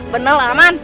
bener lah aman